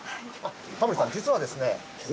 タモリさん実はですね。